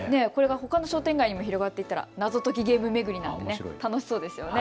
ほかの商店街にも広がっていったら謎解きゲーム巡りなんて楽しそうですね。